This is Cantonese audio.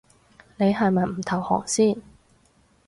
你係咪唔投降先